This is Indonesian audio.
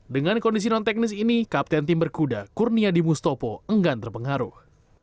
dengan kondisi non teknis ini kapten tim berkuda kurniadi mustopo enggan terpengaruh